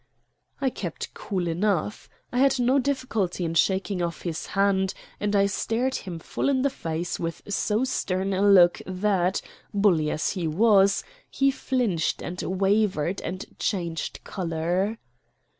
I kept cool enough. I had no difficulty in shaking off his hand, and I stared him full in the face with so stern a look that, bully as he was, he flinched and wavered and changed color.